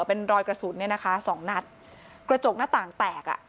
เป็นรอยกระสุนเนี่ยนะคะสองนัดกระจกหน้าต่างแตกอ่ะ